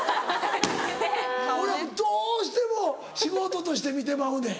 俺らもどうしても仕事として見てまうねん。